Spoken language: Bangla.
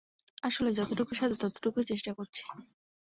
আসলে, যতটুকু সাধ্য ততটুকু চেষ্টা করেছি।